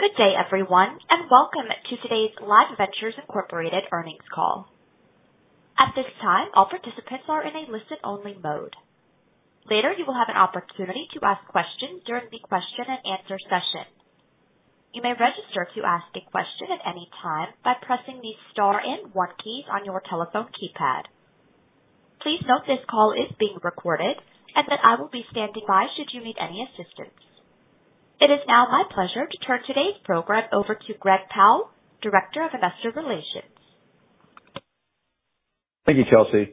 Good day, everyone, and welcome to today's Live Ventures Incorporated earnings call. At this time, all participants are in a listen-only mode. Later, you will have an opportunity to ask questions during the question and answer session. You may register to ask a question at any time by pressing the star and one keys on your telephone keypad. Please note this call is being recorded and that I will be standing by should you need any assistance. It is now my pleasure to turn today's program over to Greg Powell, Director of Investor Relations. Thank you, Chelsea.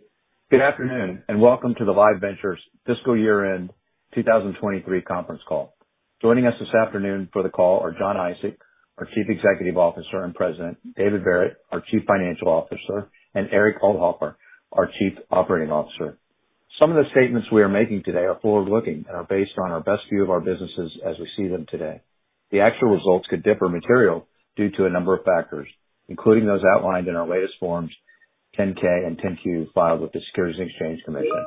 Good afternoon, and welcome to the Live Ventures Fiscal Year End 2023 conference call. Joining us this afternoon for the call are Jon Isaac, our Chief Executive Officer and President, David Verret, our Chief Financial Officer, and Eric Althofer, our Chief Operating Officer. Some of the statements we are making today are forward-looking and are based on our best view of our businesses as we see them today. The actual results could differ materially due to a number of factors, including those outlined in our latest Form 10-K and Form 10-Q, filed with the Securities and Exchange Commission.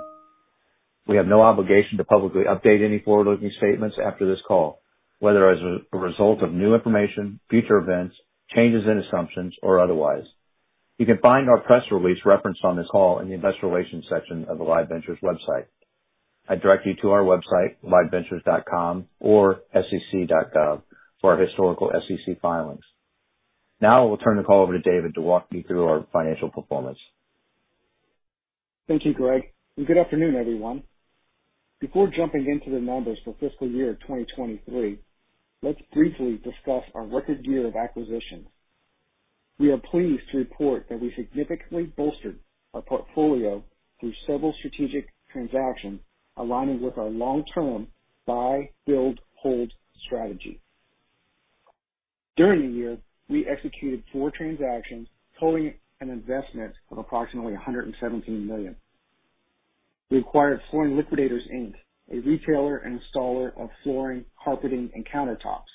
We have no obligation to publicly update any forward-looking statements after this call, whether as a result of new information, future events, changes in assumptions, or otherwise. You can find our press release referenced on this call in the Investor Relations section of the Live Ventures website. I direct you to our website, liveventures.com, or SEC.gov, for our historical SEC filings. Now I will turn the call over to David to walk you through our financial performance. Thank you, Greg, and good afternoon, everyone. Before jumping into the numbers for fiscal year 2023, let's briefly discuss our record year of acquisitions. We are pleased to report that we significantly bolstered our portfolio through several strategic transactions aligning with our long-term buy, build, hold strategy. During the year, we executed four transactions totaling an investment of approximately $117 million. We acquired Flooring Liquidators, Inc., a retailer and installer of flooring, carpeting, and countertops.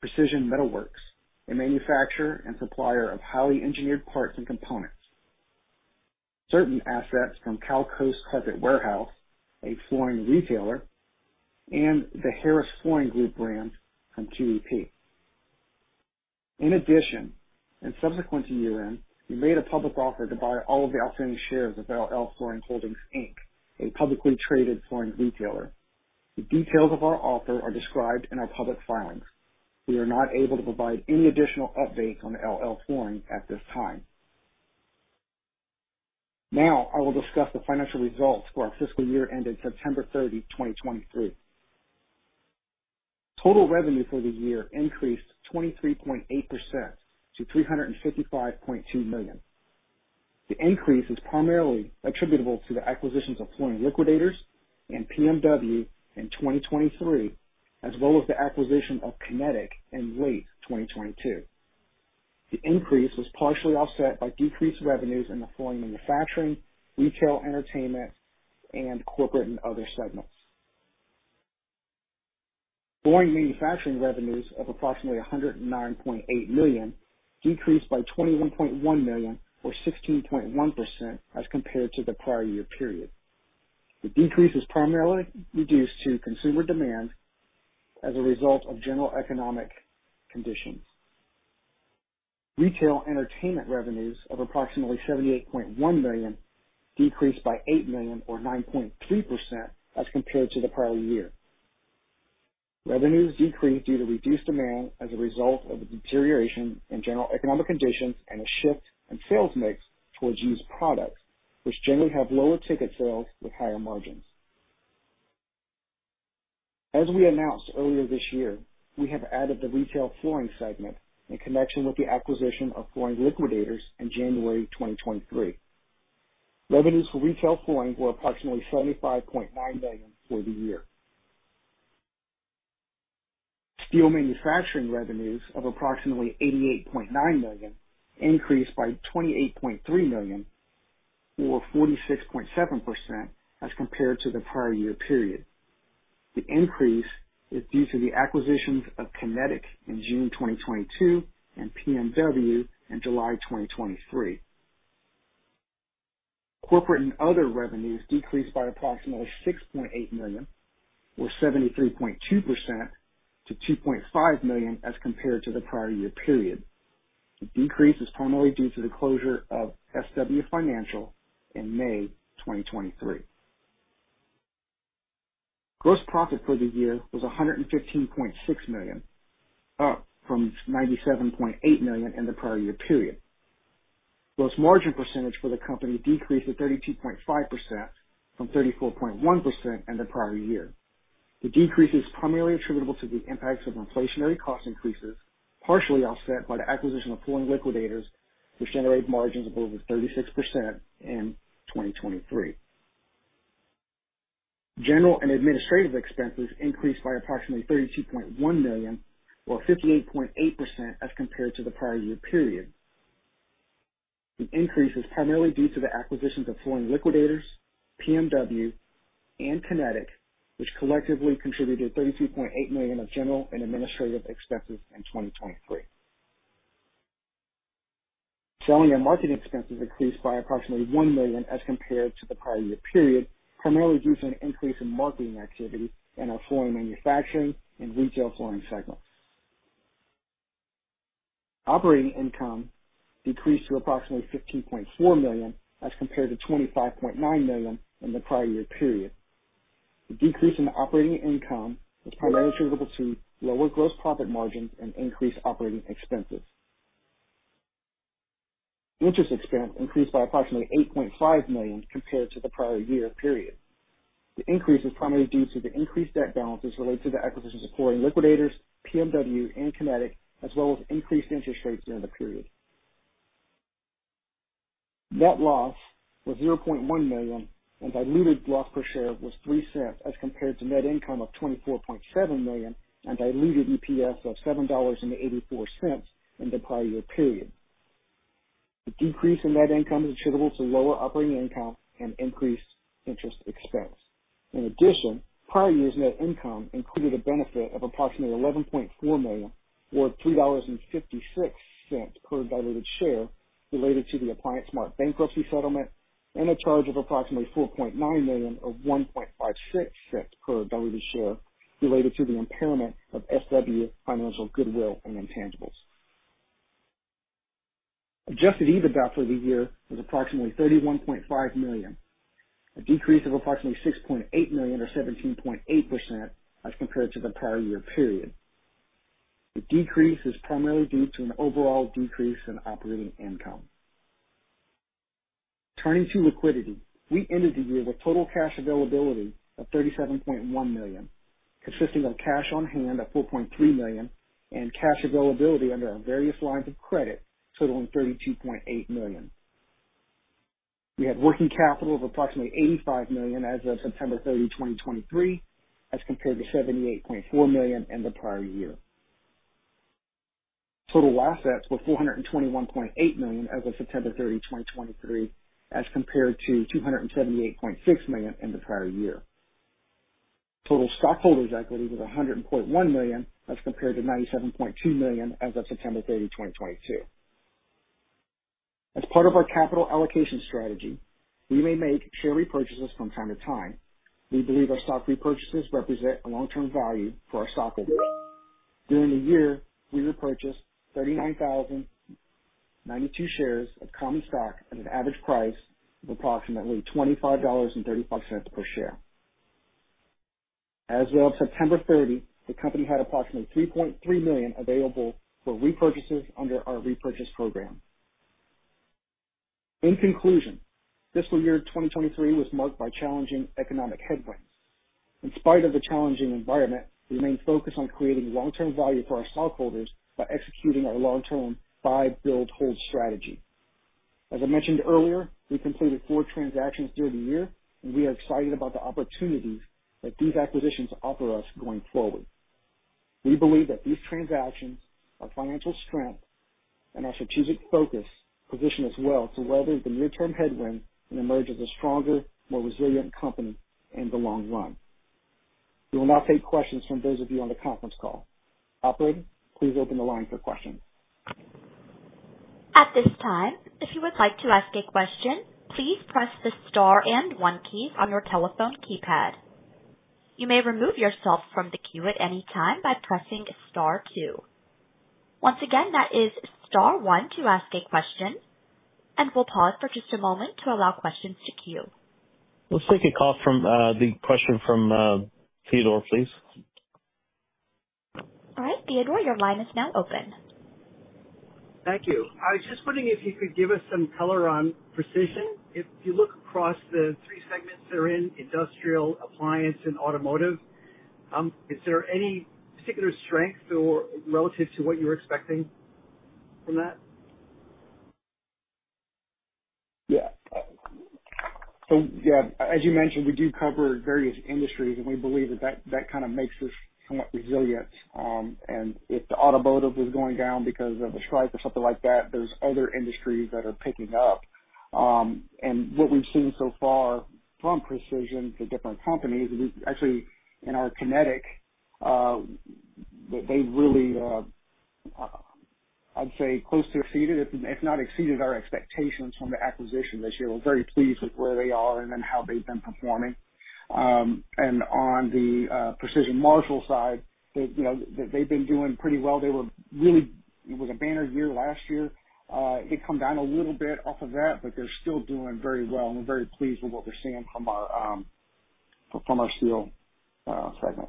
Precision Metal Works, a manufacturer and supplier of highly engineered parts and components. Certain assets from Cal Coast Carpet Warehouse, a flooring retailer, and the Harris Flooring Group brand from QEP. In addition, and subsequent to year-end, we made a public offer to buy all of the outstanding shares of LL Flooring Holdings, Inc., a publicly traded flooring retailer. The details of our offer are described in our public filings. We are not able to provide any additional updates on LL Flooring at this time. Now, I will discuss the financial results for our fiscal year ended September 30, 2023. Total revenue for the year increased 23.8% to $355.2 million. The increase is primarily attributable to the acquisitions of Flooring Liquidators and PMW in 2023, as well as the acquisition of Kinetic in late 2022. The increase was partially offset by decreased revenues in the flooring manufacturing, retail entertainment, and corporate and other segments. Flooring manufacturing revenues of approximately $109.8 million decreased by $21.1 million, or 16.1%, as compared to the prior year period. The decrease is primarily due to reduced consumer demand as a result of general economic conditions. Retail entertainment revenues of approximately $78.1 million decreased by $8 million, or 9.3%, as compared to the prior year. Revenues decreased due to reduced demand as a result of the deterioration in general economic conditions and a shift in sales mix towards used products, which generally have lower ticket sales with higher margins. As we announced earlier this year, we have added the retail flooring segment in connection with the acquisition of Flooring Liquidators in January 2023. Revenues for retail flooring were approximately $75.9 million for the year. Steel manufacturing revenues of approximately $88.9 million increased by $28.3 million, or 46.7%, as compared to the prior year period. The increase is due to the acquisitions of Kinetic in June 2022 and PMW in July 2023. Corporate and other revenues decreased by approximately $6.8 million, or 73.2% to $2.5 million as compared to the prior year period. The decrease is primarily due to the closure of SW Financial in May 2023. Gross profit for the year was $115.6 million, up from $97.8 million in the prior year period. Gross margin percentage for the company decreased to 32.5% from 34.1% in the prior year. The decrease is primarily attributable to the impacts of inflationary cost increases, partially offset by the acquisition of Flooring Liquidators, which generated margins of over 36% in 2023. General and administrative expenses increased by approximately $32.1 million, or 58.8%, as compared to the prior year period. The increase is primarily due to the acquisitions of Flooring Liquidators, PMW, and Kinetic, which collectively contributed $32.8 million of general and administrative expenses in 2023. Selling and marketing expenses increased by approximately $1 million as compared to the prior year period, primarily due to an increase in marketing activity in our flooring, manufacturing, and retail flooring segments. Operating income decreased to approximately $15.4 million as compared to $25.9 million in the prior year period. The decrease in the operating income was primarily attributable to lower gross profit margins and increased operating expenses. Interest expense increased by approximately $8.5 million compared to the prior year period. The increase is primarily due to the increased debt balances related to the acquisitions of Flooring Liquidators, PMW, and Kinetic, as well as increased interest rates during the period. Net loss was $0.1 million, and diluted loss per share was $0.03, as compared to net income of $24.7 million and diluted EPS of $7.84 in the prior year period. The decrease in net income is attributable to lower operating income and increased interest expense. In addition, prior year's net income included a benefit of approximately $11.4 million, or $3.56 per diluted share, related to the ApplianceSmart bankruptcy settlement, and a charge of approximately $4.9 million, or $0.0156 per diluted share, related to the impairment of SW Financial goodwill and intangibles. Adjusted EBITDA for the year was approximately $31.5 million, a decrease of approximately $6.8 million, or 17.8%, as compared to the prior year period. The decrease is primarily due to an overall decrease in operating income. Turning to liquidity, we ended the year with a total cash availability of $37.1 million, consisting of cash on hand of $4.3 million and cash availability under our various lines of credit totaling $32.8 million. We had working capital of approximately $85 million as of September 30, 2023, as compared to $78.4 million in the prior year. Total assets were $421.8 million as of September 30, 2023, as compared to $278.6 million in the prior year. Total stockholders' equity was $101.1 million, as compared to $97.2 million as of September 30, 2022. As part of our capital allocation strategy, we may make share repurchases from time to time. We believe our stock repurchases represent a long-term value for our stockholders. During the year, we repurchased 39,092 shares of common stock at an average price of approximately $25.35 per share. As well, September 30, the company had approximately $3.3 million available for repurchases under our repurchase program. In conclusion, fiscal year 2023 was marked by challenging economic headwinds. In spite of the challenging environment, we remain focused on creating long-term value for our stockholders by executing our long-term buy, build, hold strategy. As I mentioned earlier, we completed four transactions during the year, and we are excited about the opportunities that these acquisitions offer us going forward. We believe that these transactions, our financial strength, and our strategic focus position us well to weather the near-term headwind and emerge as a stronger, more resilient company in the long run. We will now take questions from those of you on the conference call. Operator, please open the line for questions. At this time, if you would like to ask a question, please press the star and one key on your telephone keypad. You may remove yourself from the queue at any time by pressing star two. Once again, that is star one to ask a question, and we'll pause for just a moment to allow questions to queue. Let's take a call from, the question from, Theodore, please. All right, Theodore, your line is now open. Thank you. I was just wondering if you could give us some color on Precision. If you look across the three segments that are in industrial, appliance, and automotive, is there any particular strength or relative to what you were expecting from that? Yeah. So, yeah, as you mentioned, we do cover various industries, and we believe that that kind of makes us somewhat resilient. And if the automotive is going down because of a strike or something like that, there's other industries that are picking up. And what we've seen so far from Precision to different companies is actually in our Kinetic, they really, I'd say close to exceeded, if not exceeded, our expectations from the acquisition this year. We're very pleased with where they are and then how they've been performing. And on the Precision Marshall side, they, you know, they've been doing pretty well. They were really, it was a banner year last year. It come down a little bit off of that, but they're still doing very well, and we're very pleased with what we're seeing from our steel segment.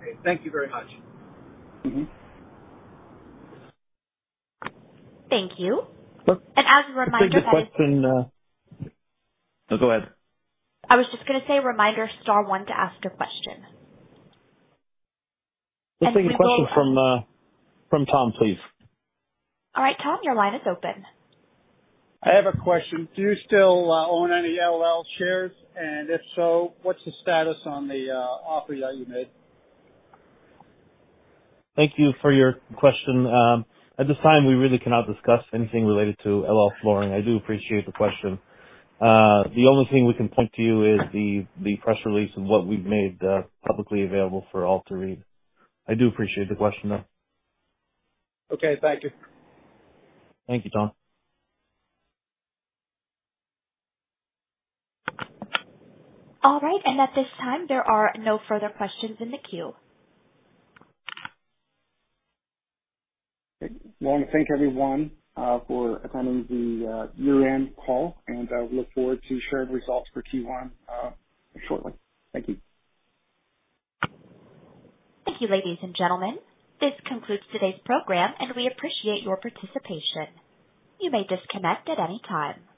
Okay. Thank you very much. Mm-hmm. Thank you. Look- As a reminder- Take the question. No, go ahead. I was just gonna say, reminder, star one to ask a question. Let's take a question from, from Tom, please. All right, Tom, your line is open. I have a question. Do you still own any LL shares? And if so, what's the status on the offer that you made? Thank you for your question. At this time, we really cannot discuss anything related to LL Flooring. I do appreciate the question. The only thing we can point to you is the press release and what we've made publicly available for all to read. I do appreciate the question, though. Okay, thank you. Thank you, Tom. All right. At this time, there are no further questions in the queue. I want to thank everyone for attending the year-end call, and we look forward to sharing results for Q1 shortly. Thank you. Thank you, ladies and gentlemen. This concludes today's program, and we appreciate your participation. You may disconnect at any time.